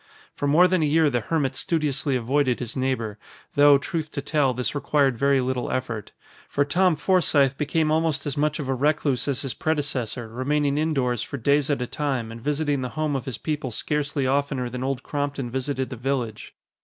For more than a year the hermit studiously avoided his neighbor, though, truth to tell, this required very little effort. For Tom Forsythe became almost as much of a recluse as his predecessor, remaining indoors for days at a time and visiting the home of his people scarcely oftener than Old Crompton visited the village.